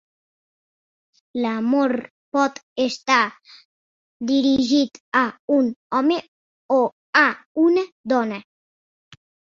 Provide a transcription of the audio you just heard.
L'amor pot estar dirigit a un home o a una dona.